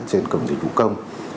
trên cổng dịch vụ công